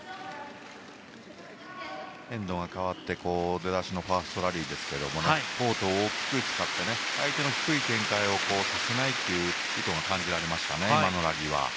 エンドが変わって出だしのファーストラリーですがコートを大きく使って相手に低い展開をさせないという意図が感じられましたね